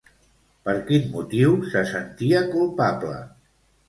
Per quin motiu se sentia culpable?